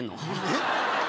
えっ？